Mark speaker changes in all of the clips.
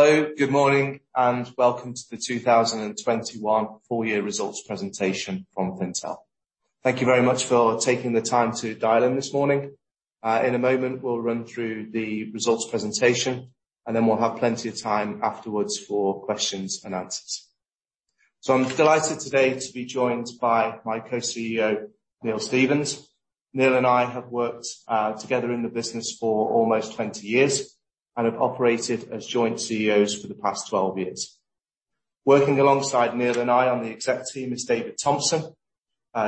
Speaker 1: Hello. Good morning, and welcome to the 2021 full year results presentation from Fintel. Thank you very much for taking the time to dial in this morning. In a moment, we'll run through the results presentation, and then we'll have plenty of time afterwards for questions and answers. I'm delighted today to be joined by my Co-CEO, Neil Stevens. Neil and I have worked together in the business for almost 20 years, and have operated as joint CEOs for the past 12 years. Working alongside Neil and I on the exec team is David Thompson.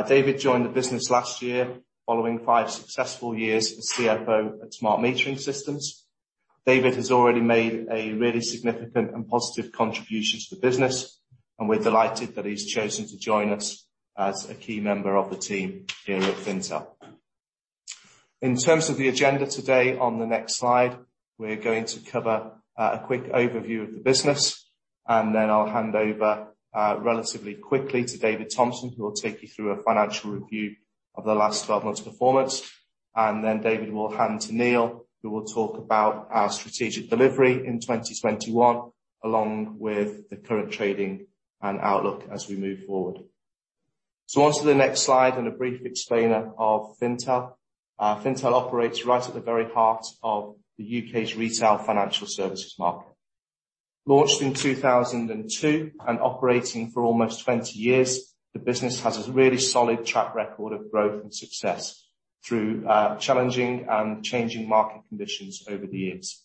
Speaker 1: David joined the business last year following five successful years as CFO at Smart Metering Systems. David has already made a really significant and positive contribution to the business, and we're delighted that he's chosen to join us as a key member of the team here at Fintel. In terms of the agenda today, on the next slide, we're going to cover a quick overview of the business, and then I'll hand over relatively quickly to David Thompson, who will take you through a financial review of the last 12 months' performance. David will hand to Neil, who will talk about our strategic delivery in 2021, along with the current trading and outlook as we move forward. On to the next slide and a brief explainer of Fintel. Fintel operates right at the very heart of the U.K.'s retail financial services market. Launched in 2002 and operating for almost 20 years, the business has a really solid track record of growth and success through challenging and changing market conditions over the years.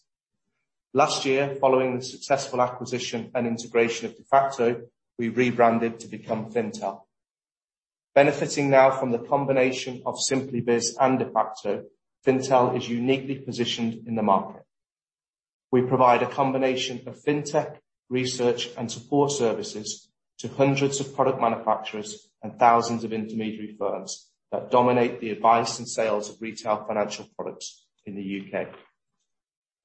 Speaker 1: Last year, following the successful acquisition and integration of Defaqto, we rebranded to become Fintel. Benefiting now from the combination of SimplyBiz and Defaqto, Fintel is uniquely positioned in the market. We provide a combination of fintech research and support services to hundreds of product manufacturers and thousands of intermediary firms that dominate the advice and sales of retail financial products in the U.K.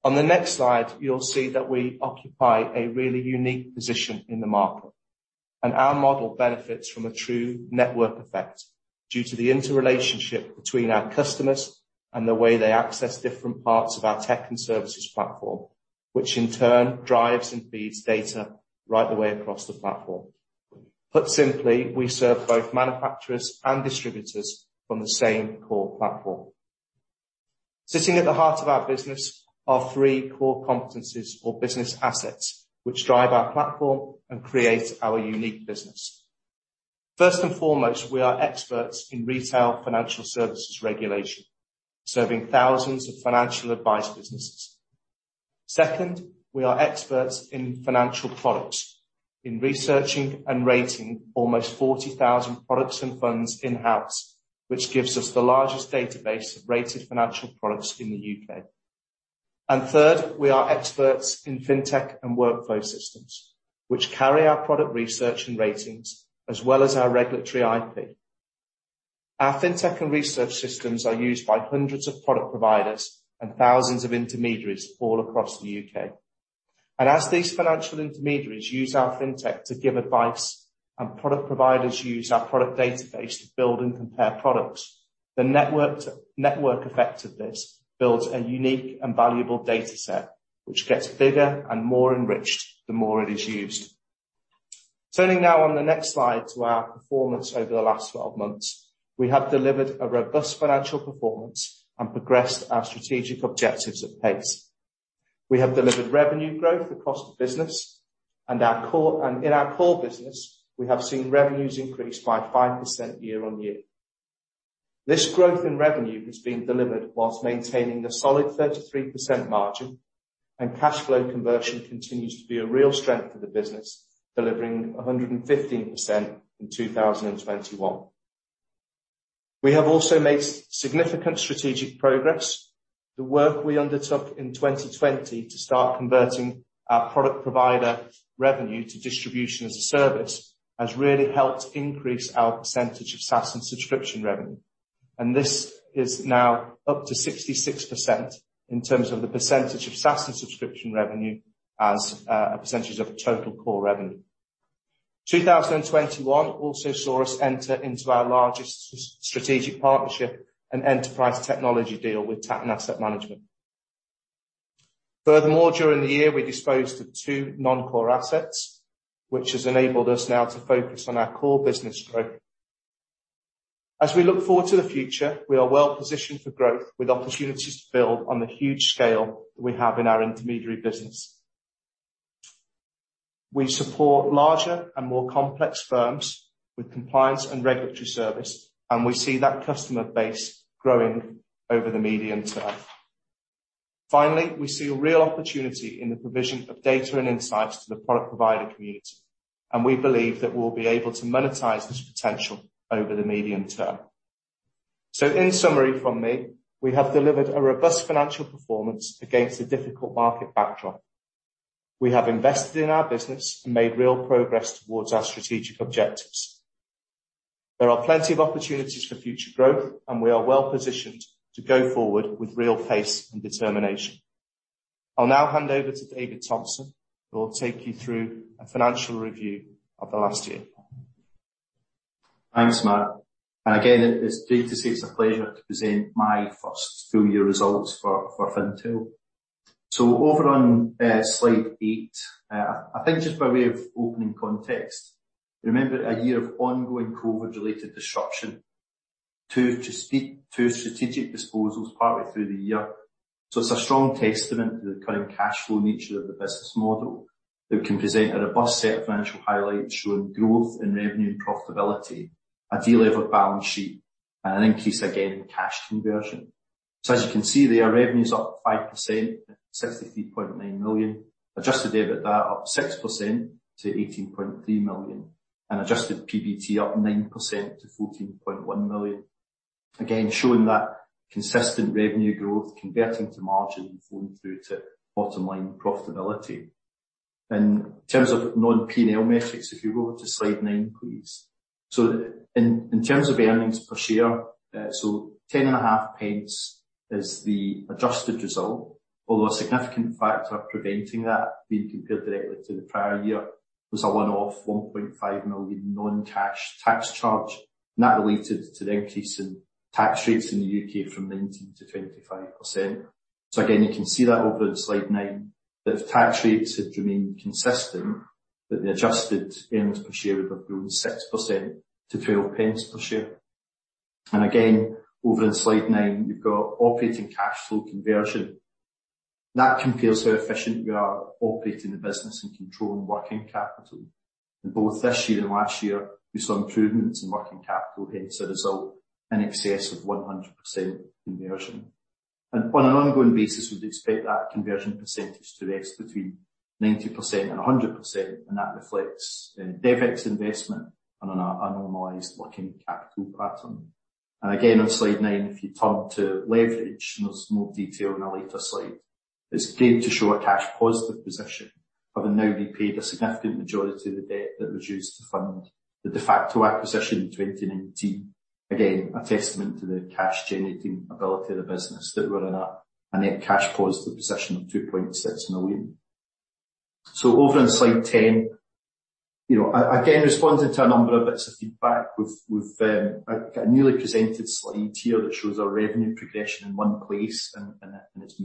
Speaker 1: On the next slide, you'll see that we occupy a really unique position in the market. Our model benefits from a true network effect due to the interrelationship between our customers and the way they access different parts of our tech and services platform, which in turn drives and feeds data right the way across the platform. Put simply, we serve both manufacturers and distributors from the same core platform. Sitting at the heart of our business are three core competencies or business assets, which drive our platform and create our unique business. First and foremost, we are experts in retail financial services regulation, serving thousands of financial advice businesses. Second, we are experts in financial products, in researching and rating almost 40,000 products and funds in-house, which gives us the largest database of rated financial products in the U.K. Third, we are experts in fintech and workflow systems, which carry our product research and ratings, as well as our regulatory IP. Our fintech and research systems are used by hundreds of product providers and thousands of intermediaries all across the U.K. As these financial intermediaries use our fintech to give advice and product providers use our product database to build and compare products, the network effect of this builds a unique and valuable dataset which gets bigger and more enriched the more it is used. Turning now on the next slide to our performance over the last 12 months. We have delivered a robust financial performance and progressed our strategic objectives at pace. We have delivered revenue growth across the business and our core business, we have seen revenues increase by 5% year-on-year. This growth in revenue has been delivered while maintaining a solid 33% margin, and cash flow conversion continues to be a real strength for the business, delivering 115% in 2021. We have also made significant strategic progress. The work we undertook in 2020 to start converting our product provider revenue to distribution as a service has really helped increase our percentage of SaaS and subscription revenue. This is now up to 66% in terms of the percentage of SaaS and subscription revenue as a percentage of total core revenue. 2021 also saw us enter into our largest strategic partnership and enterprise technology deal with Tatton Asset Management. Furthermore, during the year, we disposed of two non-core assets, which has enabled us now to focus on our core business growth. As we look forward to the future, we are well-positioned for growth, with opportunities to build on the huge scale we have in our intermediary business. We support larger and more complex firms with compliance and regulatory service, and we see that customer base growing over the medium term. Finally, we see a real opportunity in the provision of data and insights to the product provider community, and we believe that we'll be able to monetize this potential over the medium term. In summary from me, we have delivered a robust financial performance against a difficult market backdrop. We have invested in our business and made real progress towards our strategic objectives. There are plenty of opportunities for future growth, and we are well-positioned to go forward with real pace and determination. I'll now hand over to David Thompson, who will take you through a financial review of the last year.
Speaker 2: Thanks, Matt. Again, it is great to say it's a pleasure to present my first full year results for Fintel. Over on slide eight, I think just by way of opening context, remember a year of ongoing COVID-related disruption to strategic disposals partly through the year. It's a strong testament to the current cash flow nature of the business model that we can present a robust set of financial highlights showing growth in revenue and profitability, a delevered balance sheet, and an increase again in cash conversion. As you can see there, revenue's up 5%, 63.9 million. Adjusted EBITDA up 6% to 18.3 million, and adjusted PBT up 9% to 14.1 million. Again, showing that consistent revenue growth converting to margin flowing through to bottom line profitability. In terms of non-P&L metrics, if you go to slide nine, please. In terms of earnings per share, 10.5 pence is the adjusted result. Although a significant factor preventing that being compared directly to the prior year was a one-off 1.5 million non-cash tax charge, and that related to the increase in tax rates in the U.K. from 19% to 25%. You can see that over in slide 9, that if tax rates had remained consistent, that the adjusted earnings per share would have grown 6% to 12 pence per share. Over in slide nine, we've got operating cash flow conversion. That compares how efficient we are operating the business and controlling working capital. In both this year and last year, we saw improvements in working capital, hence a result in excess of 100% conversion. On an ongoing basis, we'd expect that conversion percentage to rest between 90%-100%, and that reflects CapEx investment on a normalized working capital pattern. Again, on slide nine, if you turn to leverage, and there's more detail on a later slide. It's great to show a cash positive position, having now repaid a significant majority of the debt that was used to fund the Defaqto acquisition in 2019. Again, a testament to the cash generating ability of the business that we're in a net cash positive position of 2.6 million. Over on slide 10, you know, again, responding to a number of bits of feedback, we've got a newly presented slide here that shows our revenue progression in one place and its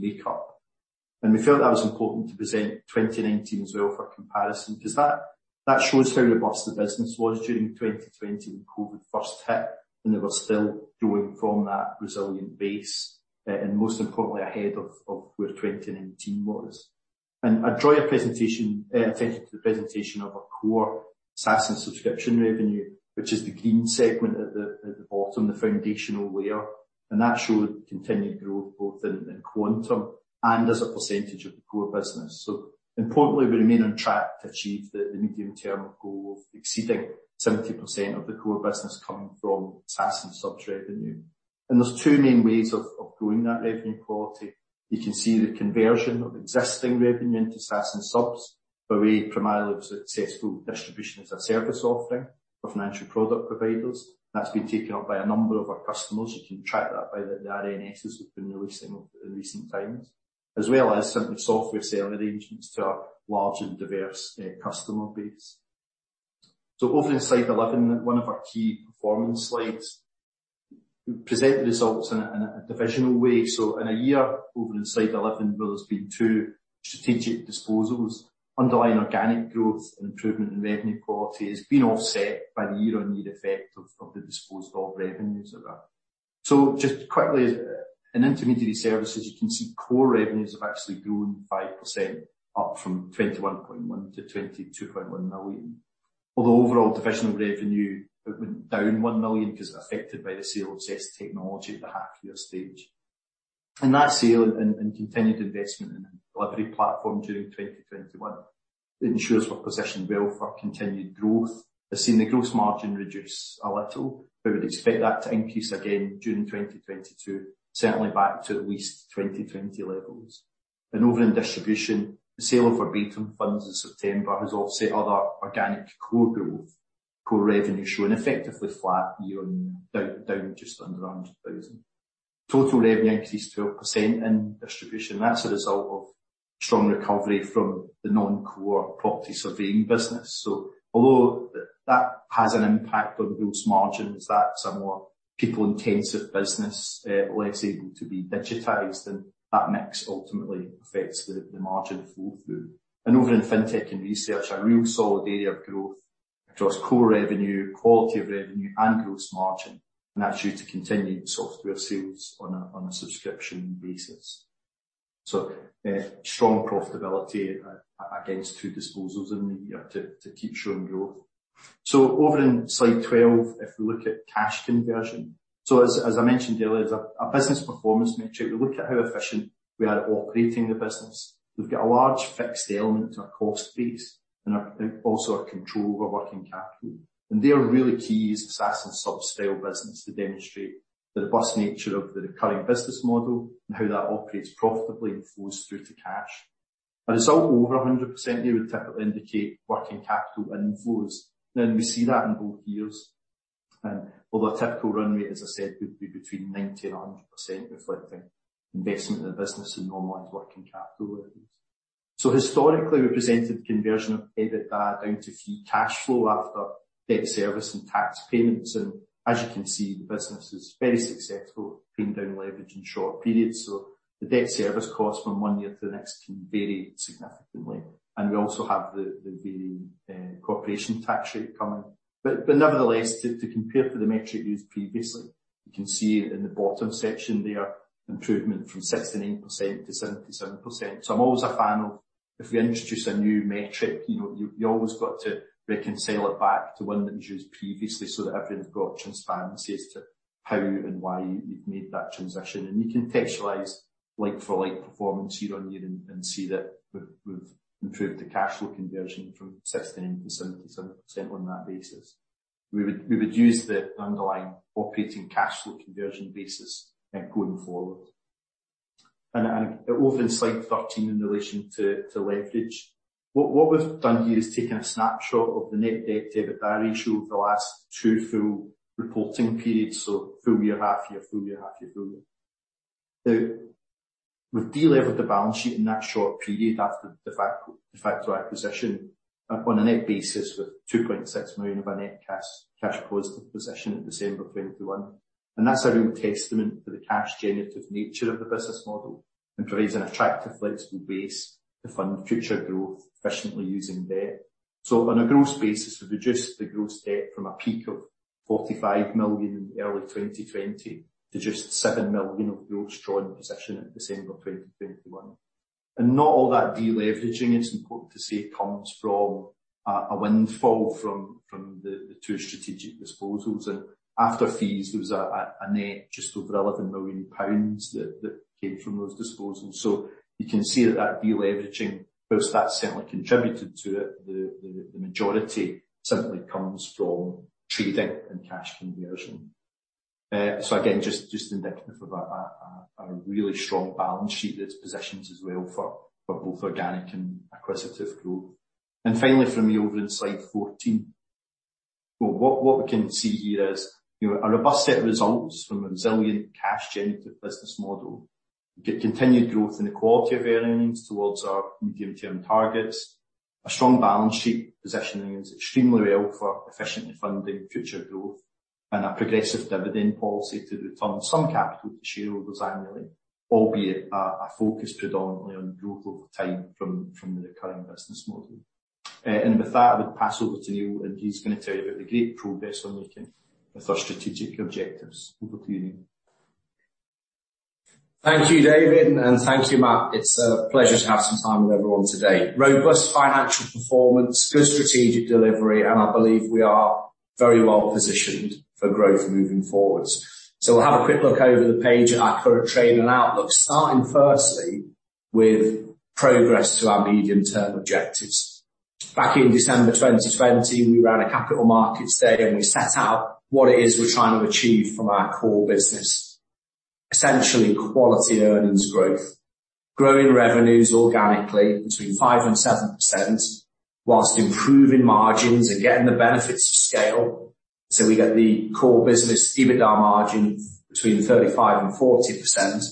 Speaker 2: makeup. We felt that was important to present 2019 as well for comparison, because that shows how robust the business was during 2020 when COVID first hit, and it was still growing from that resilient base, and most importantly, ahead of where 2019 was. I draw your attention to the presentation of our core SaaS and subscription revenue, which is the green segment at the bottom, the foundational layer. That showed continued growth both in quantum and as a percentage of the core business. Importantly, we remain on track to achieve the medium-term goal of exceeding 70% of the core business coming from SaaS and subs revenue. There's two main ways of growing that revenue quality. You can see the conversion of existing revenue into SaaS and subs by way primarily of successful Distribution as a Service offering for financial product providers. That's been taken up by a number of our customers. You can track that by the RNSs we've been releasing over in recent times. As well as simply software sale arrangements to our large and diverse customer base. Over in slide 11, one of our key performance slides, we present the results in a divisional way. In a year, over in slide 11, where there's been two strategic disposals, underlying organic growth and improvement in revenue quality has been offset by the year-on-year effect of the disposed of revenues of that. Just quickly, in intermediary services, you can see core revenues have actually grown 5%, up from 21.1 million to 22.1 million. Although overall divisional revenue, it went down 1 million because it was affected by the sale of Zest Technology at the half year stage. That sale and continued investment in the delivery platform during 2021 ensures we're positioned well for continued growth. That has seen the gross margin reduce a little, but we'd expect that to increase again during 2022, certainly back to at least 2020 levels. Over in distribution, the sale of our Verbatim funds in September has offset other organic core growth. Core revenue showing effectively flat year-on-year, down just under 100,000. Total revenue increased 12% in distribution. That's a result of strong recovery from the non-core property surveying business. Although that has an impact on those margins, that's a more people-intensive business, less able to be digitized, and that mix ultimately affects the margin flow through. Over in FinTech and Research, a real solid area of growth across core revenue, quality of revenue, and gross margin, and that's due to continued software sales on a subscription basis. Strong profitability against two disposals in the year to keep showing growth. Over in slide 12, if we look at cash conversion. As I mentioned earlier, as a business performance metric, we look at how efficient we are at operating the business. We've got a large fixed element to our cost base and also our control over working capital. Really key is the SaaS and subs style business to demonstrate the robust nature of the recurring business model and how that operates profitably and flows through to cash. A result over 100% here would typically indicate working capital inflows. We see that in both years. Although a typical run rate, as I said, would be between 90% and 100%, reflecting investment in the business and normalized working capital levels. Historically, we presented conversion of EBITDA down to free cash flow after debt service and tax payments. As you can see, the business is very successful at paying down leverage in short periods. The debt service costs from one year to the next can vary significantly. We also have the varying corporation tax rate coming. Nevertheless, to compare to the metric used previously, you can see in the bottom section there, improvement from 69% to 77%. I'm always a fan of if we introduce a new metric, you know, you always got to reconcile it back to one that was used previously so that everyone's got transparency as to how and why we've made that transition. We contextualize like-for-like performance year-on-year and see that we've improved the cash flow conversion from 69%-77% on that basis. We would use the underlying operating cash flow conversion basis going forward. Over in slide 13 in relation to leverage, what we've done here is taken a snapshot of the net debt-to-EBITDA ratio over the last two full reporting periods, so full year, half year, full year, half year, full year. Now, we've de-levered the balance sheet in that short period after the Defaqto acquisition on a net basis with 2.6 million of our net cash positive position at December 2021. That's a real testament to the cash generative nature of the business model and provides an attractive flexible base to fund future growth efficiently using debt. On a gross basis, we've reduced the gross debt from a peak of 45 million in early 2020 to just 7 million of gross drawn position at December 2021. Not all that de-leveraging, it's important to say, comes from a windfall from the two strategic disposals. After fees, there was a net just over 11 million pounds that came from those disposals. You can see that de-leveraging, while that certainly contributed to it, the majority simply comes from trading and cash conversion. Again, just indicative of a really strong balance sheet that's positioned us well for both organic and acquisitive growth. Finally from me over in slide 14. What we can see here is, you know, a robust set of results from a resilient cash generative business model. We get continued growth in the quality of earnings towards our medium-term targets. A strong balance sheet positioning us extremely well for efficiently funding future growth and a progressive dividend policy to return some capital to shareholders annually, albeit a focus predominantly on growth over time from the recurring business model. With that, I would pass over to Neil, and he's gonna tell you about the great progress we're making with our strategic objectives. Over to you, Neil.
Speaker 3: Thank you, David, and thank you, Matt. It's a pleasure to have some time with everyone today. Robust financial performance, good strategic delivery, and I believe we are very well positioned for growth moving forward. We'll have a quick look over the page at our current trading and outlook, starting firstly with progress to our medium-term objectives. Back in December 2020, we ran a capital markets day, and we set out what it is we're trying to achieve from our core business. Essentially, quality earnings growth. Growing revenues organically between 5%-7% while improving margins and getting the benefits of scale. We get the core business EBITDA margin between 35%-40%.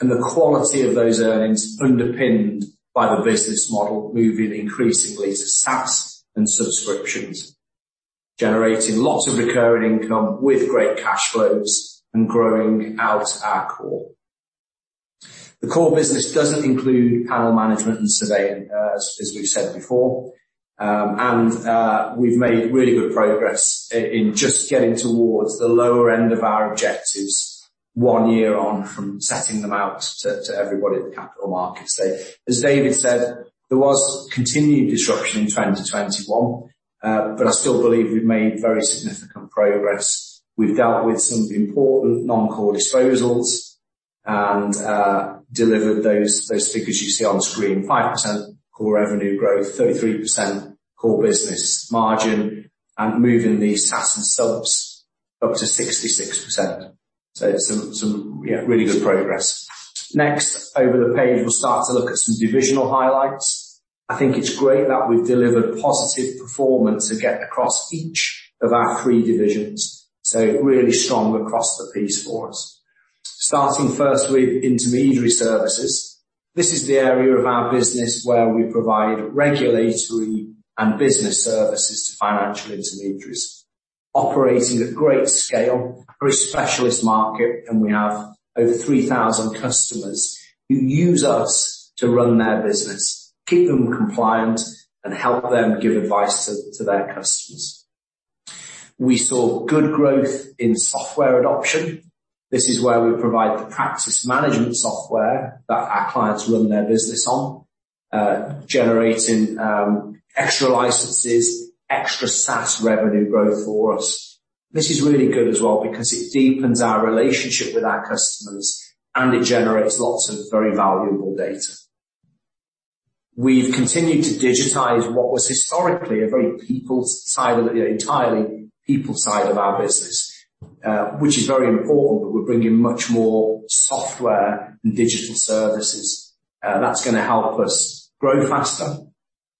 Speaker 3: The quality of those earnings underpinned by the business model moving increasingly to SaaS and subscriptions, generating lots of recurring income with great cash flows and growing out our core. The core business doesn't include panel management, as we've said before. We've made really good progress in just getting towards the lower end of our objectives one year on from setting them out to everybody at the capital markets day. As David said, there was continued disruption in 2021, but I still believe we've made very significant progress. We've dealt with some of the important non-core disposals and delivered those figures you see on screen. 5% core revenue growth, 33% core business margin, and moving the SaaS and subs up to 66%. It's some really good progress. Next, over the page, we'll start to look at some divisional highlights. I think it's great that we've delivered positive performance again across each of our three divisions. Really strong across the piece for us. Starting first with intermediary services. This is the area of our business where we provide regulatory and business services to financial intermediaries, operating at great scale for a specialist market, and we have over 3,000 customers who use us to run their business, keep them compliant, and help them give advice to their customers. We saw good growth in software adoption. This is where we provide the practice management software that our clients run their business on, generating extra licenses, extra SaaS revenue growth for us. This is really good as well because it deepens our relationship with our customers, and it generates lots of very valuable data. We've continued to digitize what was historically a very entirely people side of our business, which is very important, but we're bringing much more software and digital services. That's gonna help us grow faster.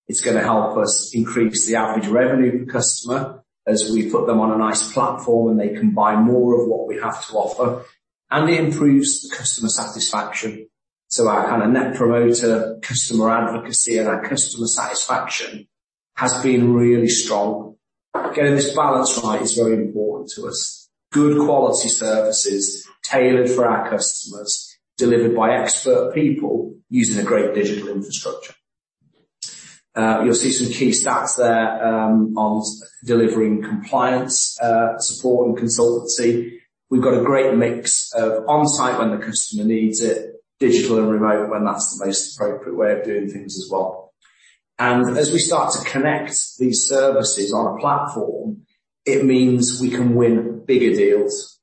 Speaker 3: It's gonna help us increase the average revenue per customer as we put them on a nice platform, and they can buy more of what we have to offer, and it improves the customer satisfaction. Our kinda net promoter, customer advocacy, and our customer satisfaction has been really strong. Getting this balance right is very important to us. Good quality services tailored for our customers, delivered by expert people using a great digital infrastructure. You'll see some key stats there on delivering compliance, support, and consultancy. We've got a great mix of on-site when the customer needs it, digital and remote when that's the most appropriate way of doing things as well. As we start to connect these services on a platform, it means we can win bigger deals.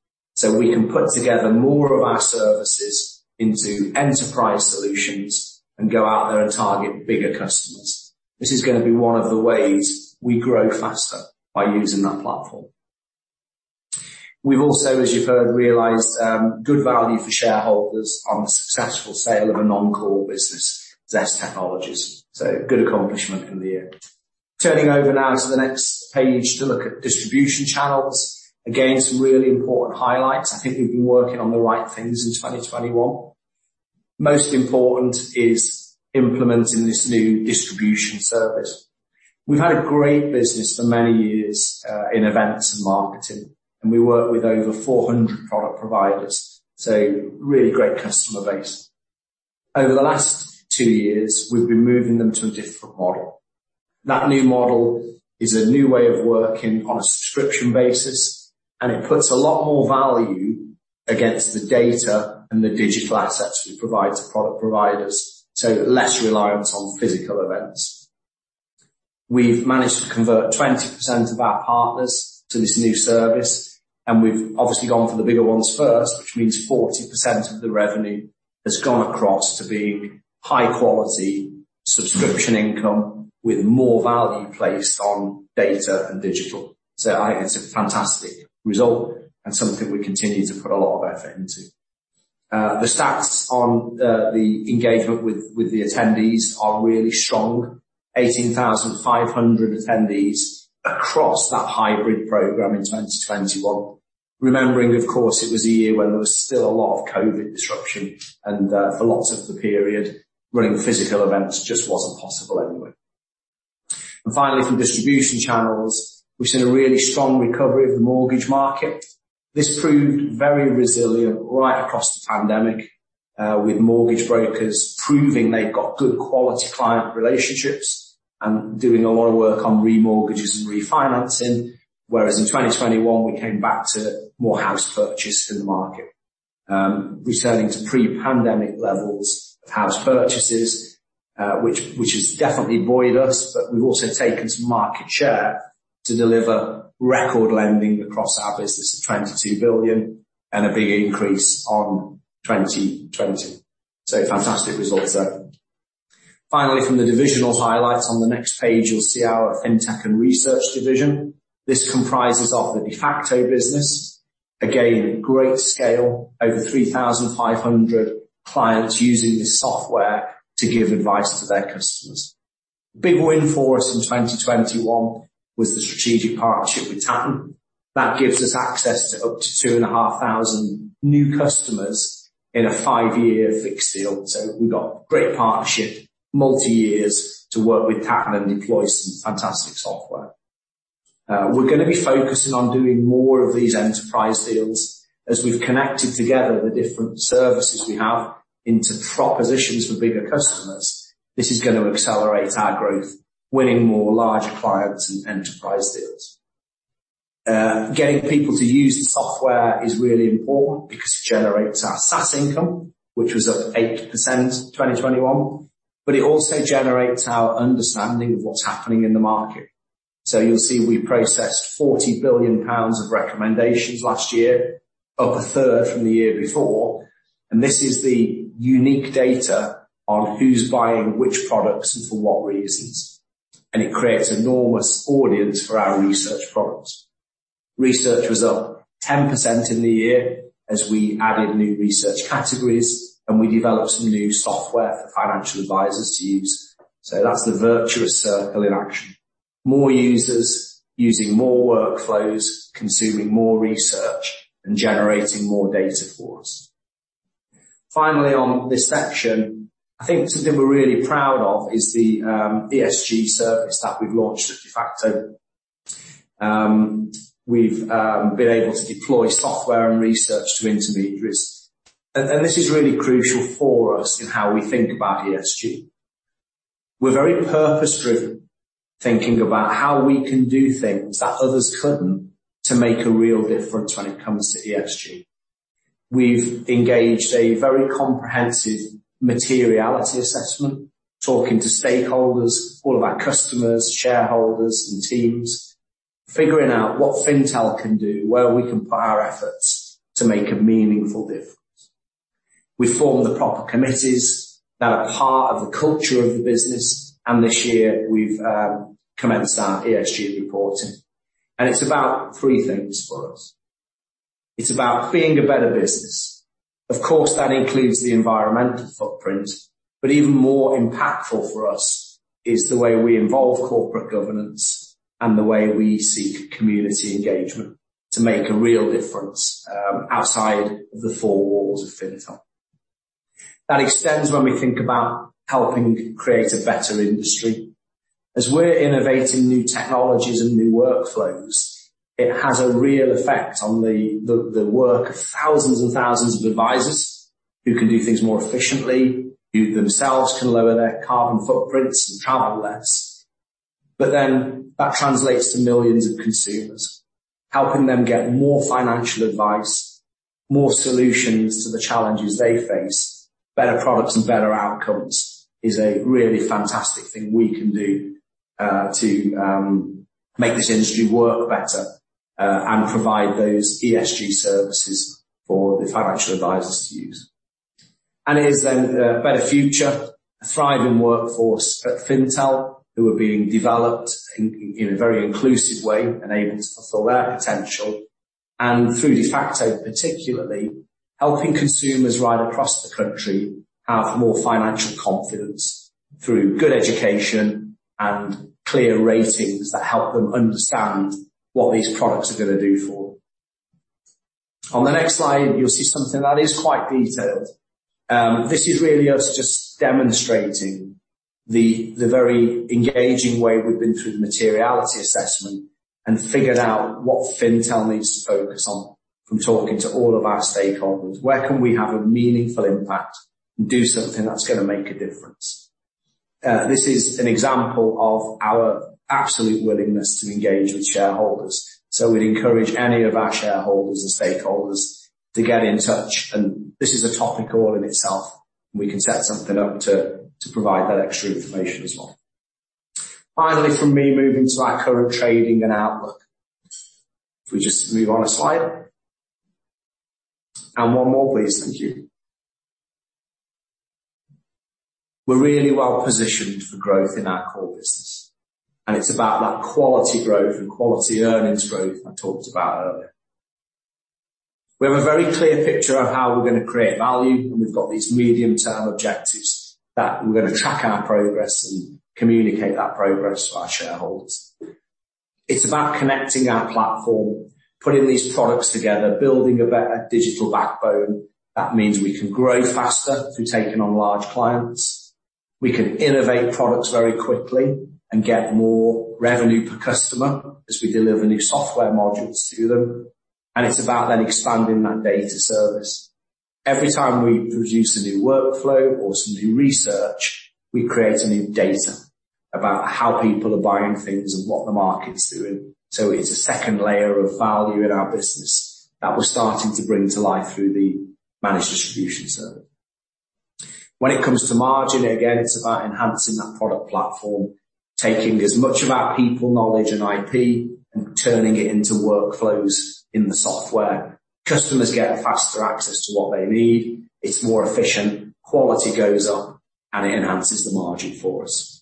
Speaker 3: We can put together more of our services into enterprise solutions and go out there and target bigger customers. This is gonna be one of the ways we grow faster by using that platform. We've also, as you've heard, realized good value for shareholders on the successful sale of a non-core business, Zest Technology. Good accomplishment in the year. Turning over now to the next page to look at distribution channels. Again, some really important highlights. I think we've been working on the right things in 2021. Most important is implementing this new distribution service. We've had a great business for many years in events and marketing, and we work with over 400 product providers, so really great customer base. Over the last two years, we've been moving them to a different model. That new model is a new way of working on a subscription basis, and it puts a lot more value against the data and the digital assets we provide to product providers, so less reliance on physical events. We've managed to convert 20% of our partners to this new service, and we've obviously gone for the bigger ones first, which means 40% of the revenue has gone across to being high quality subscription income with more value placed on data and digital. I think it's a fantastic result and something we continue to put a lot of effort into. The stats on the engagement with the attendees are really strong. 18,500 attendees across that hybrid program in 2021. Remembering, of course, it was a year when there was still a lot of COVID disruption and for lots of the period, running physical events just wasn't possible anyway. Finally, from distribution channels, we've seen a really strong recovery of the mortgage market. This proved very resilient right across the pandemic with mortgage brokers proving they've got good quality client relationships and doing a lot of work on remortgages and refinancing. Whereas in 2021, we came back to more house purchase in the market. Returning to pre-pandemic levels of house purchases, which has definitely buoyed us, but we've also taken some market share to deliver record lending across our business of 22 billion and a big increase on 2020. Fantastic results there. Finally, from the divisional highlights on the next page, you'll see our Fintech and research division. This comprises of the Defaqto business. Again, great scale, over 3,500 clients using this software to give advice to their customers. Big win for us in 2021 was the strategic partnership with Tatton. That gives us access to up to 2,500 new customers in a five-year fixed deal. We got great partnership, multiyears to work with Tatton and deploy some fantastic software. We're gonna be focusing on doing more of these enterprise deals as we've connected together the different services we have into propositions for bigger customers. This is gonna accelerate our growth, winning more large clients and enterprise deals. Getting people to use the software is really important because it generates our SaaS income, which was up 8% in 2021, but it also generates our understanding of what's happening in the market. You'll see we processed 40 billion pounds of recommendations last year, up a third from the year before, and this is the unique data on who's buying which products and for what reasons. It creates enormous audience for our research products. Research was up 10% in the year as we added new research categories, and we developed some new software for financial advisors to use. That's the virtuous circle in action. More users using more workflows, consuming more research, and generating more data for us. Finally, on this section, I think something we're really proud of is the ESG service that we've launched at Defaqto. We've been able to deploy software and research to intermediaries. And this is really crucial for us in how we think about ESG. We're very purpose-driven, thinking about how we can do things that others couldn't to make a real difference when it comes to ESG. We've engaged a very comprehensive materiality assessment, talking to stakeholders, all of our customers, shareholders, and teams, figuring out what Fintel can do, where we can put our efforts to make a meaningful difference. We formed the proper committees that are part of the culture of the business, and this year we've commenced our ESG reporting. It's about three things for us. It's about being a better business. Of course, that includes the environmental footprint, but even more impactful for us is the way we involve corporate governance and the way we seek community engagement to make a real difference, outside the four walls of Fintel. That extends when we think about helping create a better industry. As we're innovating new technologies and new workflows, it has a real effect on the work of thousands and thousands of advisors who can do things more efficiently, who themselves can lower their carbon footprints and travel less. That translates to millions of consumers, helping them get more financial advice, more solutions to the challenges they face. Better products and better outcomes is a really fantastic thing we can do to make this industry work better and provide those ESG services for the financial advisors to use. It is then a better future, a thriving workforce at Fintel who are being developed in a very inclusive way and able to fulfill their potential and through Defaqto, particularly helping consumers right across the country have more financial confidence through good education and clear ratings that help them understand what these products are gonna do for them. On the next slide, you'll see something that is quite detailed. This is really us just demonstrating the very engaging way we've been through the materiality assessment and figured out what Fintel needs to focus on from talking to all of our stakeholders. Where can we have a meaningful impact and do something that's gonna make a difference? This is an example of our absolute willingness to engage with shareholders. We'd encourage any of our shareholders and stakeholders to get in touch, and this is a topic all in itself, and we can set something up to provide that extra information as well. Finally, from me, moving to our current trading and outlook. If we just move on a slide. One more, please. Thank you. We're really well-positioned for growth in our core business, and it's about that quality growth and quality earnings growth I talked about earlier. We have a very clear picture of how we're gonna create value, and we've got these medium to long objectives that we're gonna track our progress and communicate that progress to our shareholders. It's about connecting our platform, putting these products together, building a better digital backbone. That means we can grow faster through taking on large clients. We can innovate products very quickly and get more revenue per customer as we deliver new software modules to them, and it's about then expanding that data service. Every time we produce a new workflow or some new research, we create a new data about how people are buying things and what the market's doing. It's a second layer of value in our business that we're starting to bring to life through the managed distribution service. When it comes to margin, again, it's about enhancing that product platform, taking as much of our people knowledge and IP and turning it into workflows in the software. Customers get faster access to what they need. It's more efficient, quality goes up, and it enhances the margin for us.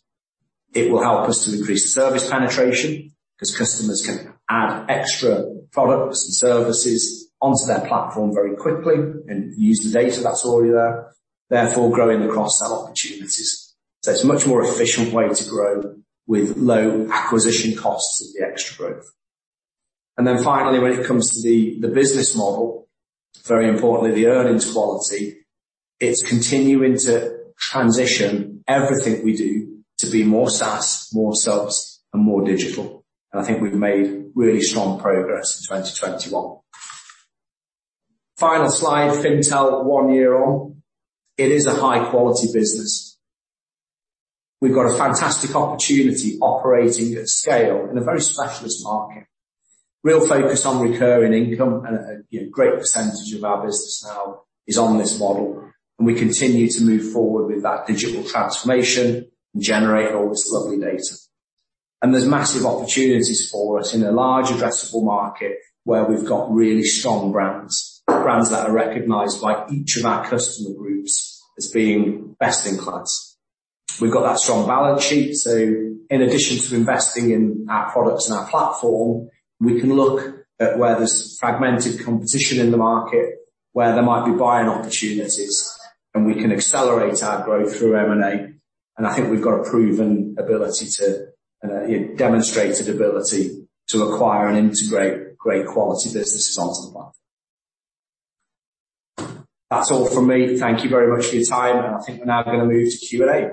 Speaker 3: It will help us to increase service penetration 'cause customers can add extra products and services onto their platform very quickly and use the data that's already there, therefore, growing cross-sell opportunities. It's a much more efficient way to grow with low acquisition costs of the extra growth. Then finally, when it comes to the business model, very importantly, the earnings quality, it's continuing to transition everything we do to be more SaaS, more subs and more digital. I think we've made really strong progress in 2021. Final slide, Fintel one year on. It is a high-quality business. We've got a fantastic opportunity operating at scale in a very specialist market. Really focused on recurring income and, you know, great percentage of our business now is on this model, and we continue to move forward with that digital transformation and generate all this lovely data. There's massive opportunities for us in a large addressable market where we've got really strong brands that are recognized by each of our customer groups as being best in class. We've got that strong balance sheet, so in addition to investing in our products and our platform, we can look at where there's fragmented competition in the market, where there might be buying opportunities, and we can accelerate our growth through M&A. I think we've got a proven ability to, you know, demonstrated ability to acquire and integrate great quality businesses onto the platform. That's all from me. Thank you very much for your time and I think we're now gonna move to Q&A.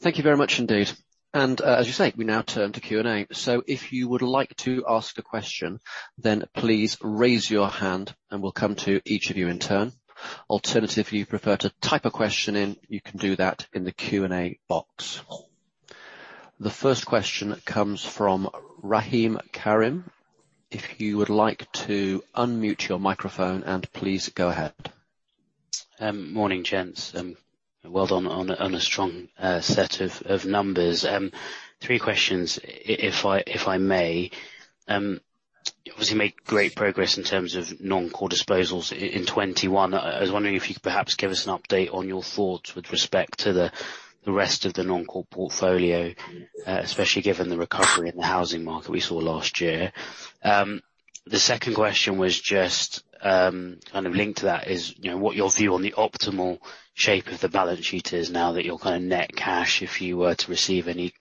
Speaker 4: Thank you very much indeed. As you say, we now turn to Q&A. If you would like to ask a question, then please raise your hand and we'll come to each of you in turn. Alternatively, if you prefer to type a question in, you can do that in the Q&A box. The first question comes from Rahim Karim. If you would like to unmute your microphone, and please go ahead.
Speaker 5: Morning, gents, well done on a strong set of numbers. Three questions if I may. You've obviously made great progress in terms of non-core disposals in 2021. I was wondering if you could perhaps give us an update on your thoughts with respect to the rest of the non-core portfolio, especially given the recovery in the housing market we saw last year. The second question was just kind of linked to that is, you know, what your view on the optimal shape of the balance sheet is now that you're kind of net cash, if you were to receive any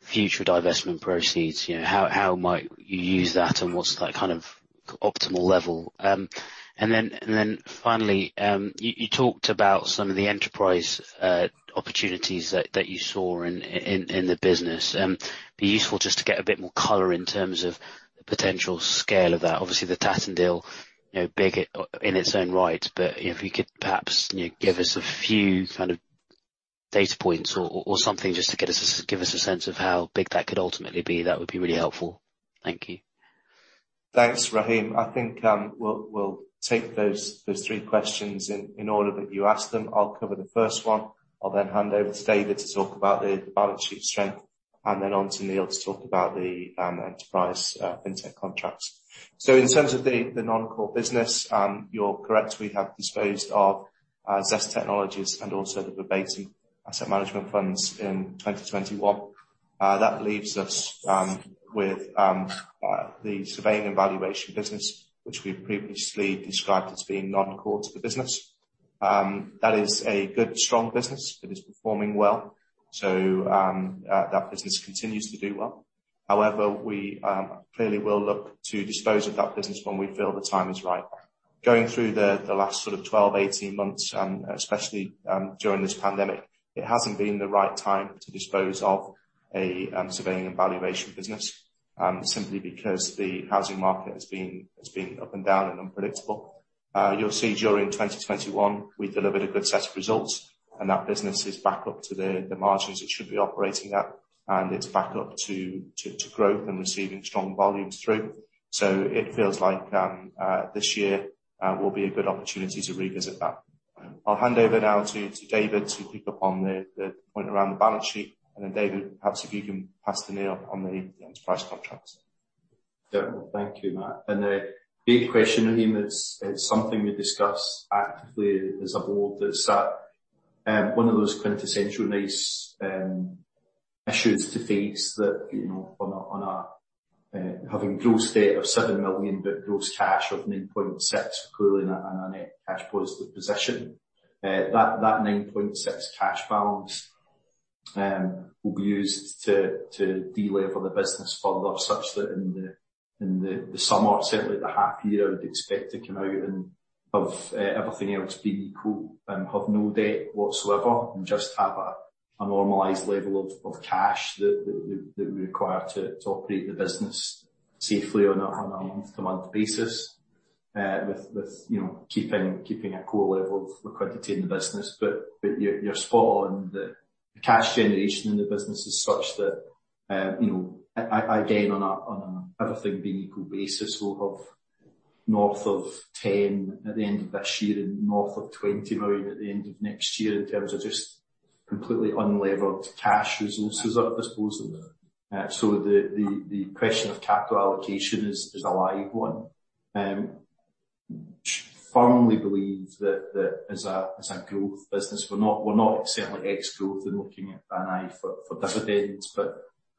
Speaker 5: future divestment proceeds. You know, how might you use that, and what's that kind of optimal level? Then finally, you talked about some of the enterprise opportunities that you saw in the business. It'd be useful just to get a bit more color in terms of the potential scale of that. Obviously, the Tatton deal, you know, big in its own right, but if you could perhaps, you know, give us a few kind of data points or something just to get us a sense of how big that could ultimately be, that would be really helpful. Thank you.
Speaker 1: Thanks, Rahim. I think we'll take those three questions in the order that you asked them. I'll cover the first one. I'll then hand over to David to talk about the balance sheet strength, and then on to Neil to talk about the enterprise fintech contracts. In terms of the non-core business, you're correct, we have disposed of Zest Technology and also the Verbatim asset management funds in 2021. That leaves us with the surveying and valuation business, which we previously described as being non-core to the business. That is a good strong business. It is performing well. That business continues to do well. However, we clearly will look to dispose of that business when we feel the time is right. Going through the last sort of 12-18 months, especially during this pandemic, it hasn't been the right time to dispose of a surveying and valuation business, simply because the housing market has been up and down and unpredictable. You'll see during 2021, we delivered a good set of results, and that business is back up to the margins it should be operating at, and it's back up to growth and receiving strong volumes through. It feels like this year will be a good opportunity to revisit that. I'll hand over now to David to pick up on the point around the balance sheet. Then David, perhaps if you can pass to Neil on the enterprise contracts.
Speaker 2: Yeah. Thank you, Matt. The big question, Rahim, is it's something we discuss actively as a board that's one of those quintessential nice issues to face that, you know, on a having gross debt of 7 million, but gross cash of 9.6 million, we're clearly in a net cash positive position. That 9.6 cash balance will be used to delever the business further, such that in the summer, certainly the half year, I would expect to come out of everything else being equal, have no debt whatsoever and just have a normalized level of cash that we require to operate the business safely on a month-to-month basis, with you know, keeping a core level of liquidity in the business. You're spot on. The cash generation in the business is such that, you know, again, on a everything being equal basis, we'll have north of 10 million at the end of this year and north of 20 million at the end of next year in terms of just completely unlevered cash resources at our disposal. The question of capital allocation is a live one. We firmly believe that as a growth business, we're not certainly ex-growth and looking at B&I for dividends.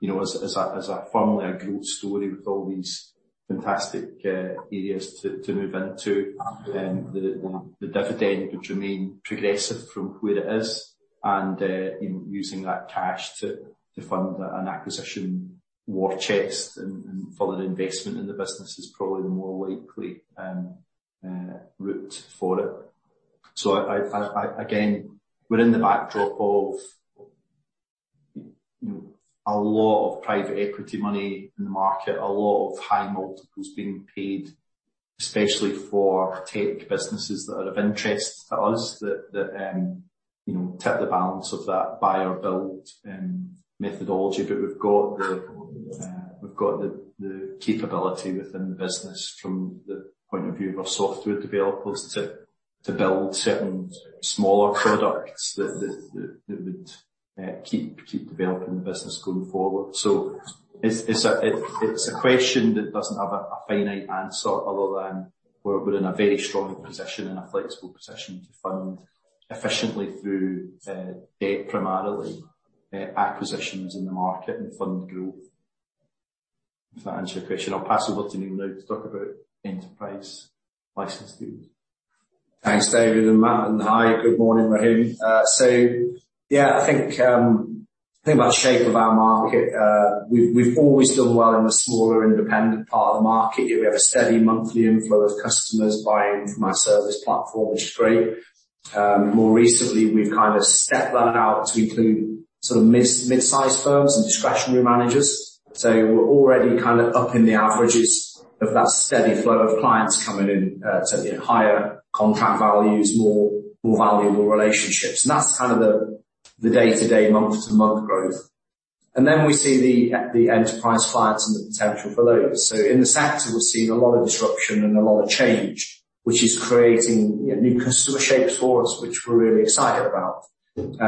Speaker 2: You know, as a firmly growth story with all these fantastic areas to move into, the dividend would remain progressive from where it is and, you know, using that cash to fund an acquisition war chest and further investment in the business is probably the more likely route for it. Again, we're in the backdrop of, you know, a lot of private equity money in the market, a lot of high multiples being paid, especially for tech businesses that are of interest to us that tip the balance of that buy or build methodology. We've got the capability within the business from the point of view of our software developers to build certain smaller products that would keep developing the business going forward. It's a question that doesn't have a finite answer other than we're in a very strong position and a flexible position to fund efficiently through debt primarily acquisitions in the market and fund growth. If that answers your question. I'll pass over to Neil now to talk about enterprise license deals.
Speaker 3: Thanks, David and Matt, and hi, good morning, Rahim. I think about the shape of our market. We've always done well in the smaller independent part of the market. You know, we have a steady monthly inflow of customers buying from our service platform, which is great. More recently, we've kind of stepped that out to include sort of mid-size firms and discretionary managers. We're already kind of upping the averages of that steady flow of clients coming in to get higher contract values, more valuable relationships. That's kind of the day-to-day, month-to-month growth. Then we see the enterprise clients and the potential for those. in the sector, we're seeing a lot of disruption and a lot of change, which is creating, you know, new consumer shapes for us, which we're really excited about.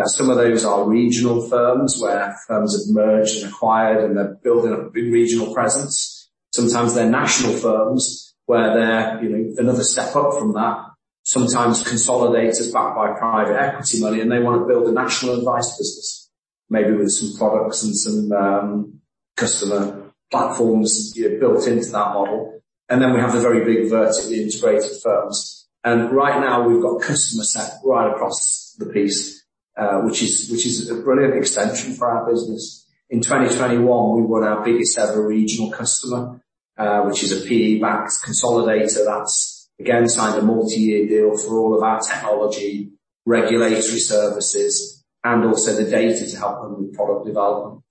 Speaker 3: Some of those are regional firms where firms have merged and acquired, and they're building a big regional presence. Sometimes they're national firms where they're, you know, another step up from that. Sometimes consolidators backed by private equity money, and they wanna build a national advice business. Maybe with some products and some customer platforms, you know, built into that model. Then we have the very big vertically integrated firms. Right now we've got customer set right across the piece, which is a brilliant extension for our business. In 2021, we won our biggest-ever regional customer, which is a PE-backed consolidator, that's again signed a multi-year deal for all of our technology, regulatory services, and also the data to help them with product development.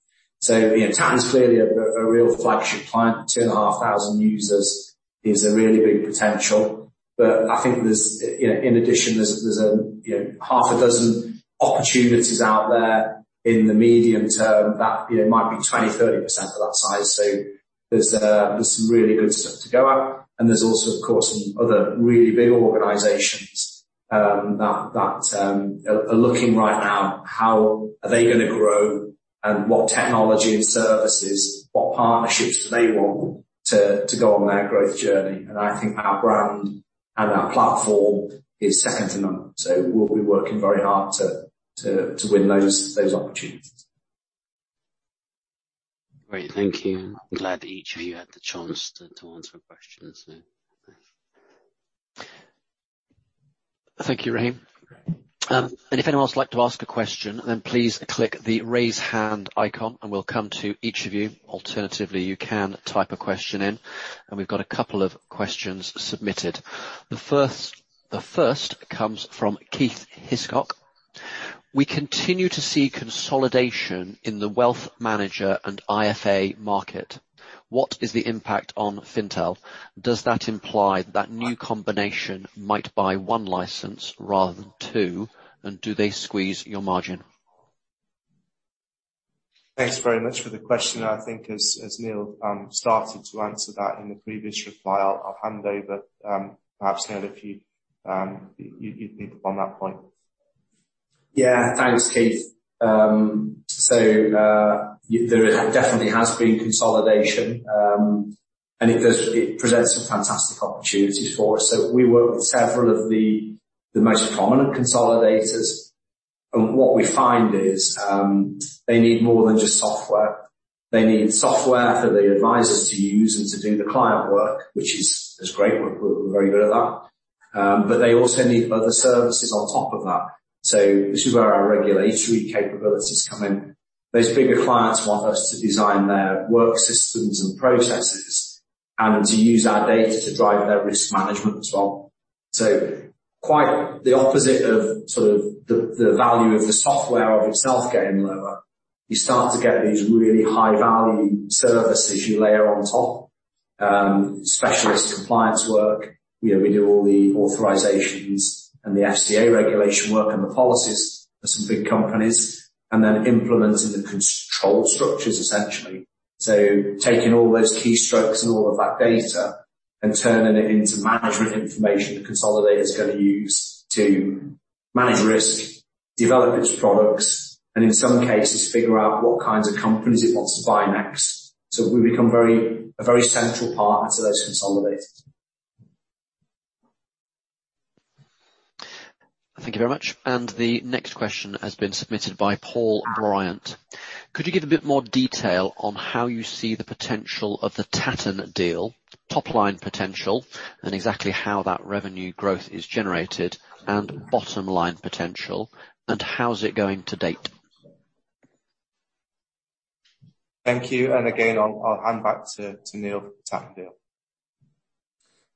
Speaker 3: You know, Tatton is clearly a real flagship client. 2,500 users is a really big potential. I think there's, you know, in addition, there's a half a dozen opportunities out there in the medium term that, you know, might be 20%-30% of that size. There's some really good stuff to go at. There's also, of course, some other really big organizations that are looking right now how they are gonna grow and what technology and services, what partnerships they want to go on their growth journey. I think our brand and our platform is second to none. We'll be working very hard to win those opportunities.
Speaker 5: Great. Thank you. I'm glad each of you had the chance to answer questions.
Speaker 4: Thank you, Rahim. If anyone else would like to ask a question, then please click the Raise Hand icon, and we'll come to each of you. Alternatively, you can type a question in, and we've got a couple of questions submitted. The first comes from Keith Hiscock.
Speaker 6: We continue to see consolidation in the wealth manager and IFA market. What is the impact on Fintel? Does that imply that new combination might buy one license rather than two? And do they squeeze your margin?
Speaker 1: Thanks very much for the question. I think as Neil started to answer that in the previous reply. I'll hand over, perhaps, Neil, if you'd pick up on that point.
Speaker 3: Yeah. Thanks, Keith. There definitely has been consolidation. It presents some fantastic opportunities for us. We work with several of the most prominent consolidators, and what we find is, they need more than just software. They need software for the advisors to use and to do the client work, which is great. We're very good at that. They also need other services on top of that. This is where our regulatory capabilities come in. Those bigger clients want us to design their work systems and processes and to use our data to drive their risk management as well. Quite the opposite of sort of the value of the software itself getting lower, you start to get these really high-value services you layer on top. Specialist compliance work. You know, we do all the authorizations and the FCA regulation work and the policies for some big companies, and then implementing the control structures, essentially. Taking all those keystrokes and all of that data and turning it into management information the consolidator is gonna use to manage risk, develop its products, and in some cases, figure out what kinds of companies it wants to buy next. We've become a very central partner to those consolidators.
Speaker 4: Thank you very much. The next question has been submitted by Paul Bryant.
Speaker 7: Could you give a bit more detail on how you see the potential of the Tatton deal, top-line potential, and exactly how that revenue growth is generated and bottom-line potential, and how is it going to date?
Speaker 1: Thank you. Again, I'll hand back to Neil for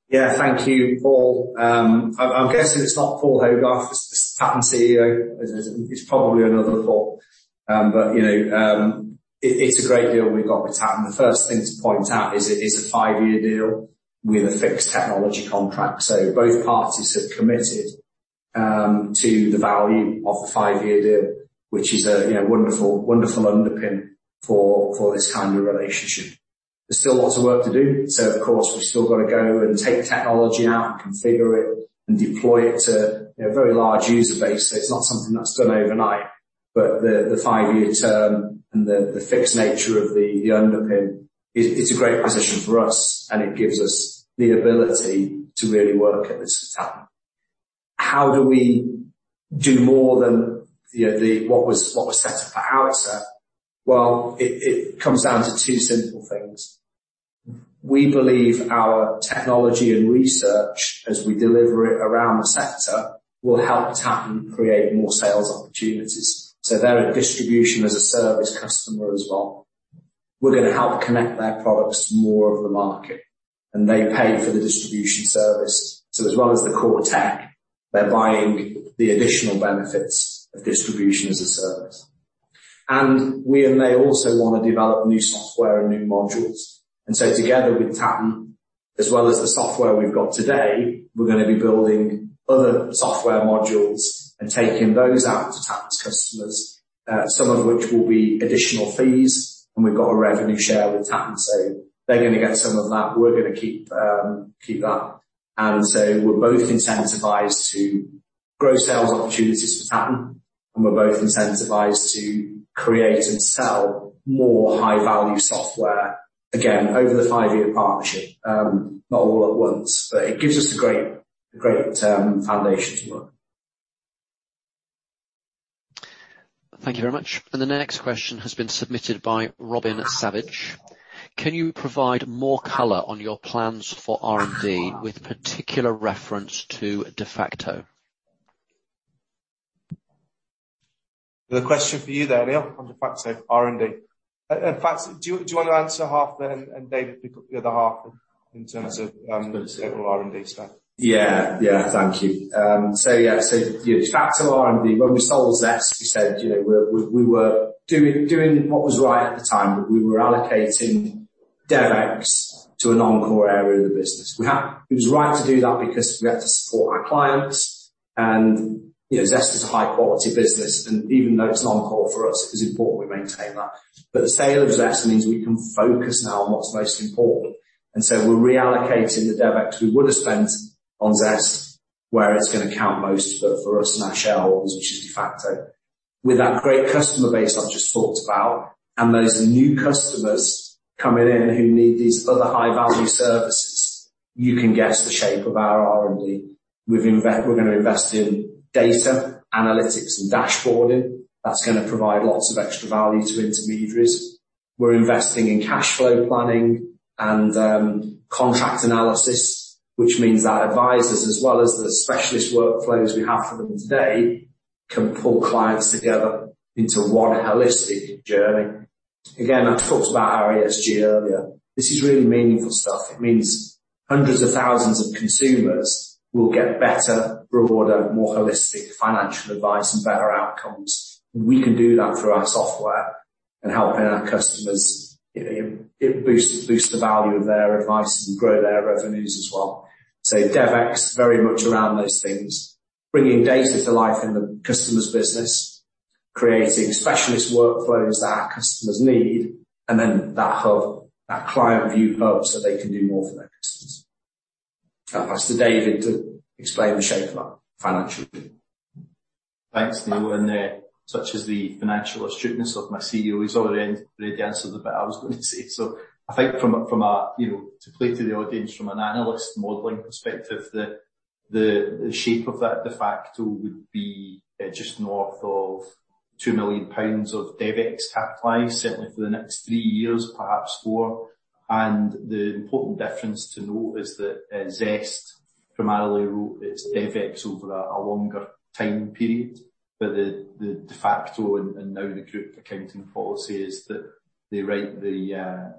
Speaker 1: the Tatton deal.
Speaker 3: Yeah. Thank you, Paul. I'm guessing it's not Paul Hogarth, Tatton CEO. It's probably another Paul. But you know, it's a great deal we've got with Tatton. The first thing to point out is it is a five-year deal with a fixed technology contract. Both parties have committed to the value of the five-year deal, which is a you know, wonderful underpin for this kind of relationship. There's still lots of work to do. Of course, we've still got to go and take the technology out and configure it and deploy it to a very large user base. It's not something that's done overnight. The five-year term and the fixed nature of the underpin. It's a great position for us, and it gives us the ability to really work at this with Tatton. How do we do more than, you know, what was set for Outset? Well, it comes down to two simple things. We believe our technology and research as we deliver it around the sector will help Tatton create more sales opportunities. They're a distribution as a service customer as well. We're gonna help connect their products to more of the market, and they pay for the distribution service. As well as the core tech, they're buying the additional benefits of distribution as a service. We and they also wanna develop new software and new modules. Together with Tatton, as well as the software we've got today, we're gonna be building other software modules and taking those out to Tatton's customers, some of which will be additional fees, and we've got a revenue share with Tatton. They're gonna get some of that. We're gonna keep that. We're both incentivized to grow sales opportunities for Tatton, and we're both incentivized to create and sell more high-value software, again, over the five-year partnership, not all at once. It gives us a great. A great foundation to work.
Speaker 4: Thank you very much. The next question has been submitted by Robin Savage.
Speaker 8: Can you provide more color on your plans for R&D with particular reference to Defaqto?
Speaker 1: The question for you there, Neil, on Defaqto R&D. In fact, do you wanna answer half then and David pick up the other half in terms of, sort of R&D stuff?
Speaker 3: Yeah. Thank you. Back to R&D. When we sold Zest, we said, you know, we were doing what was right at the time, but we were allocating DevEx to a non-core area of the business. It was right to do that because we had to support our clients. You know, Zest is a high quality business, and even though it's non-core for us, it's important we maintain that. The sale of Zest means we can focus now on what's most important. We're reallocating the DevEx we would have spent on Zest where it's gonna count most for us and our shareholders, which is Defaqto. With that great customer base I've just talked about, and those new customers coming in who need these other high-value services, you can guess the shape of our R&D. We're gonna invest in data, analytics and dashboarding. That's gonna provide lots of extra value to intermediaries. We're investing in cash flow planning and contract analysis, which means our advisors, as well as the specialist workflows we have for them today, can pull clients together into one holistic journey. Again, I talked about our ESG earlier. This is really meaningful stuff. It means hundreds of thousands of consumers will get better, broader, more holistic financial advice and better outcomes. We can do that through our software and helping our customers. It boosts the value of their advice and grow their revenues as well. DevEx, very much around those things, bringing data to life in the customer's business, creating specialist workflows that our customers need, and then that hub, that client view hub, so they can do more for their customers. I'll pass to David to explain the shape of that financially.
Speaker 2: Thanks, Neil. Such as the financial astuteness of my CEO, he's already answered the bit I was going to say. I think from a you know to play to the audience from an analyst modeling perspective, the shape of that Defaqto would be just north of 2 million pounds of DevEx capitalized certainly for the next three years, perhaps four. The important difference to note is that Zest primarily wrote its DevEx over a longer time period. The Defaqto and now the group accounting policy is that they write the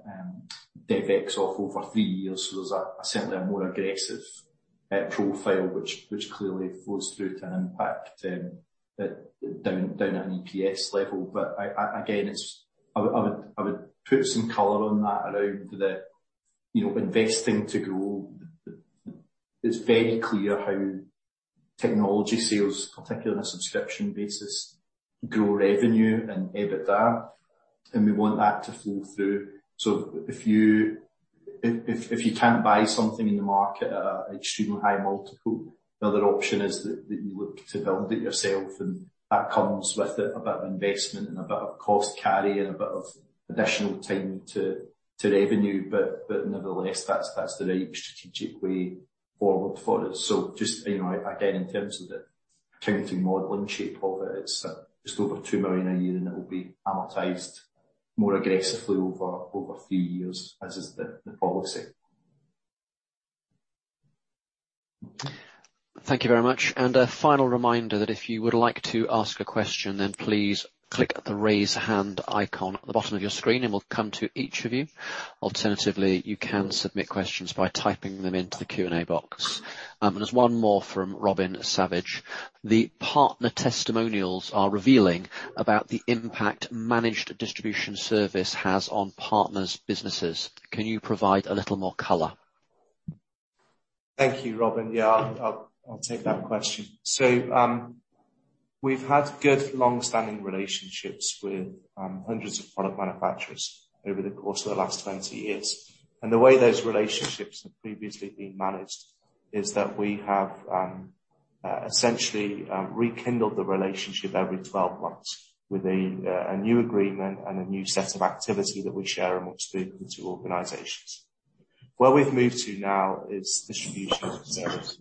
Speaker 2: DevEx off over three years. There's certainly a more aggressive profile which clearly flows through to an impact down at an EPS level. Again, it's. I would put some color on that around the, you know, investing to grow. It's very clear how technology sales, particularly on a subscription basis, grow revenue and EBITDA, and we want that to flow through. If you can't buy something in the market at an extremely high multiple, the other option is that you look to build it yourself, and that comes with a bit of investment and a bit of cost carry and a bit of additional time to revenue. Nevertheless, that's the right strategic way forward for us. Just, you know, again, in terms of the accounting modeling shape of it's just over 2 million a year, and it will be amortized more aggressively over three years as is the policy.
Speaker 4: Thank you very much. A final reminder that if you would like to ask a question, then please click the Raise Hand icon at the bottom of your screen, and we'll come to each of you. Alternatively, you can submit questions by typing them into the Q&A box. There's one more from Robin Savage.
Speaker 8: The partner testimonials are revealing about the impact managed distribution service has on partners' businesses. Can you provide a little more color?
Speaker 1: Thank you, Robin. Yeah. I'll take that question. We've had good long-standing relationships with hundreds of product manufacturers over the course of the last 20 years. The way those relationships have previously been managed is that we have essentially rekindled the relationship every 12 months with a new agreement and a new set of activity that we share amongst the two organizations. Where we've moved to now is distribution of services.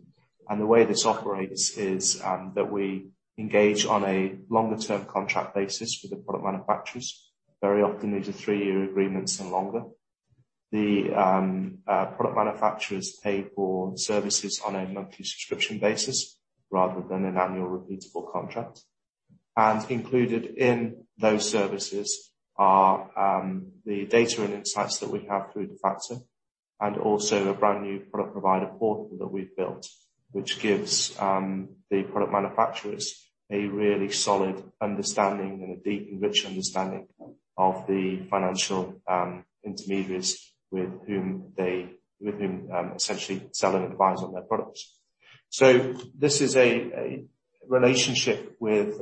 Speaker 1: The way this operates is that we engage on a longer-term contract basis with the product manufacturers, very often these are three-year agreements and longer. The product manufacturers pay for services on a monthly subscription basis rather than an annual repeatable contract. Included in those services are the data and insights that we have through Defaqto, and also a brand new product provider portal that we've built, which gives the product manufacturers a really solid understanding and a deep and rich understanding of the financial intermediaries with whom they essentially sell and advise on their products. This is a relationship with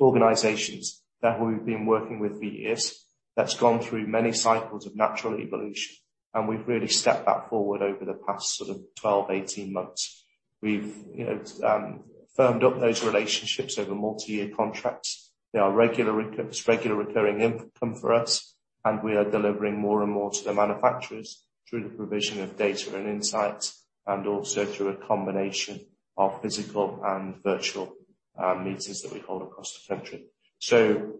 Speaker 1: organizations that we've been working with for years that's gone through many cycles of natural evolution, and we've really stepped that forward over the past sort of 12, 18 months. You know, we've firmed up those relationships over multi-year contracts. They are regular recurring income for us, and we are delivering more and more to the manufacturers through the provision of data and insights, and also through a combination of physical and virtual meetings that we hold across the country. In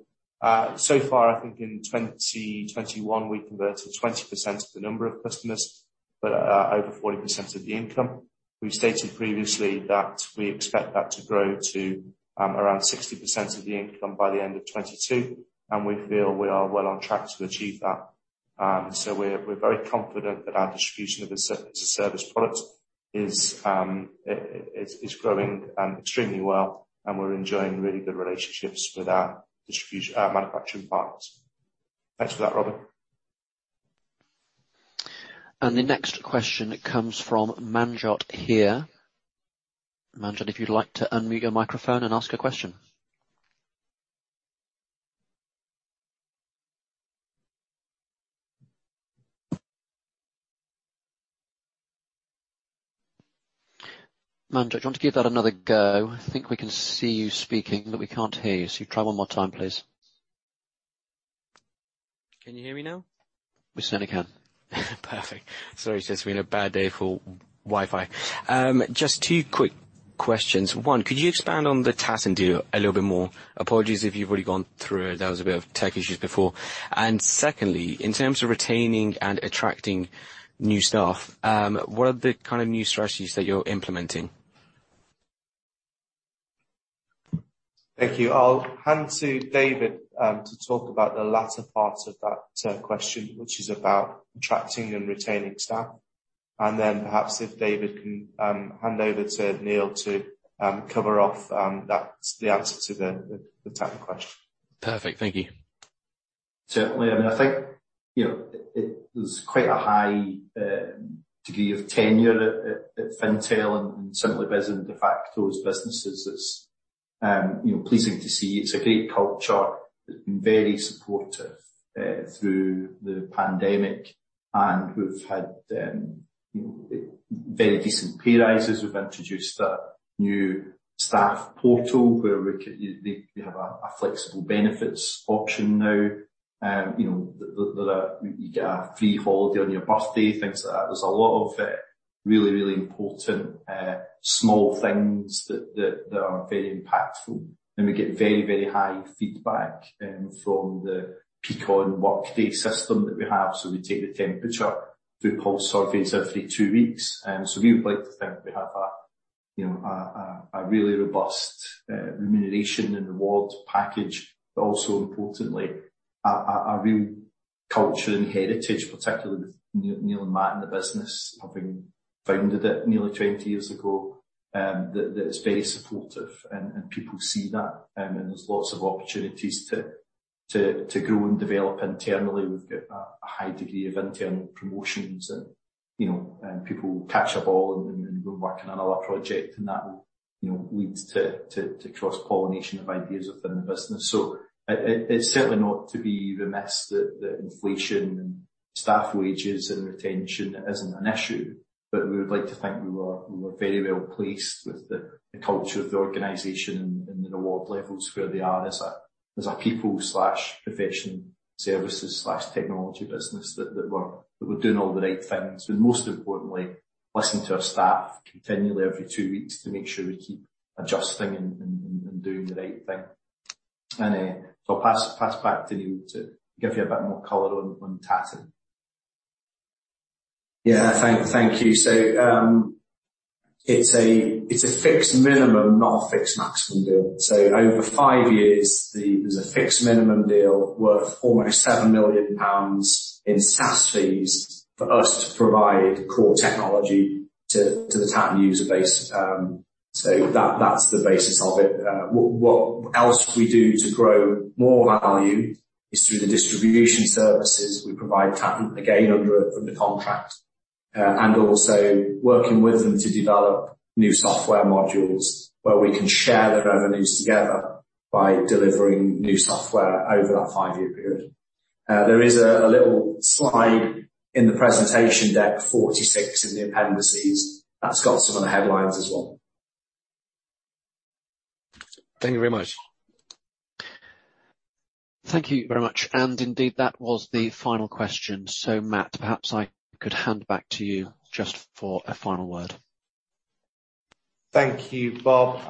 Speaker 1: 2021, we converted 20% of the number of customers, but over 40% of the income. We've stated previously that we expect that to grow to around 60% of the income by the end of 2022, and we feel we are well on track to achieve that. We're very confident that our Distribution as a Service product is growing extremely well, and we're enjoying really good relationships with our manufacturing partners. Thanks for that, Robin.
Speaker 4: The next question comes from Manjot Heer. Manjot, if you'd like to unmute your microphone and ask a question. Manjot, do you want to give that another go? I think we can see you speaking, but we can't hear you. Try one more time, please.
Speaker 9: Can you hear me now?
Speaker 4: We certainly can.
Speaker 9: Perfect. Sorry, it's just been a bad day for Wi-Fi. Just two quick questions. One, could you expand on the Tatton deal a little bit more? Apologies if you've already gone through it. There was a bit of tech issues before. Secondly, in terms of retaining and attracting new staff, what are the kind of new strategies that you're implementing?
Speaker 1: Thank you. I'll hand to David to talk about the latter part of that question, which is about attracting and retaining staff. Perhaps if David can hand over to Neil to cover off, that's the answer to the Tatton question.
Speaker 9: Perfect. Thank you.
Speaker 2: Certainly, I mean, I think, you know, it is quite a high degree of tenure at Fintel, SimplyBiz and Defaqto's businesses. It's pleasing to see. It's a great culture. It's been very supportive through the pandemic, and we've had very decent pay raises. We've introduced a new staff portal where you have a flexible benefits option now. You get a free holiday on your birthday, things like that. There's a lot of really important small things that are very impactful. We get very high feedback from the Workday Peakon system that we have. We take the temperature through pulse surveys every two weeks. We would like to think we have a really robust remuneration and reward package, but also importantly, a real culture and heritage, particularly with Neil and Matt in the business, having founded it nearly 20 years ago, that's very supportive and people see that. There's lots of opportunities to grow and develop internally. We've got a high degree of internal promotions and, you know, and people catch a ball and go work on another project and that will, you know, leads to cross-pollination of ideas within the business. It's certainly not to be remiss that inflation and staff wages and retention isn't an issue, but we would like to think we are very well placed with the culture of the organization and the reward levels where they are as a people/professional services/technology business, that we're doing all the right things, and most importantly, listening to our staff continually every two weeks to make sure we keep adjusting and doing the right thing. I'll pass back to Neil to give you a bit more color on Tatton.
Speaker 3: Yeah. Thank you. It's a fixed minimum, not a fixed maximum deal. Over 5 years, there's a fixed minimum deal worth almost 7 million pounds in SaaS fees for us to provide core technology to the Tatton user base. That's the basis of it. What else we do to grow more value is through the distribution services we provide Tatton, again, under contract, and also working with them to develop new software modules where we can share the revenues together by delivering new software over that five-year period. There is a little slide in the presentation deck, 46 in the appendices, that's got some of the headlines as well.
Speaker 9: Thank you very much.
Speaker 4: Thank you very much. Indeed, that was the final question. Matt, perhaps I could hand back to you just for a final word.
Speaker 1: Thank you, Bob.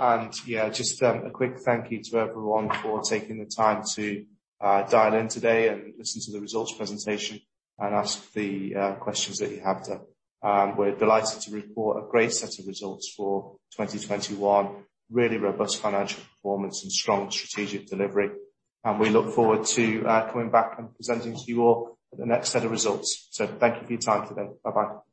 Speaker 1: Yeah, just a quick thank you to everyone for taking the time to dial in today and listen to the results presentation and ask the questions that you have today. We're delighted to report a great set of results for 2021, really robust financial performance and strong strategic delivery, and we look forward to coming back and presenting to you all the next set of results. Thank you for your time today. Bye-bye.